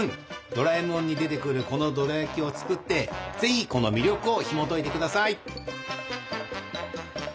ドラえもんに出てくるこのドラやきを作ってぜひこの魅力をひもといて下さい！